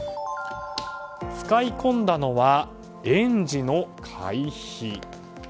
使い込んだのは園児の会費。